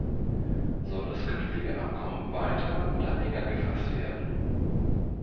Soll das künftige Abkommen weiter oder enger gefasst werden?